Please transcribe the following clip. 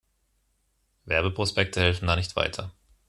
Werbeprospekte helfen da nicht weiter.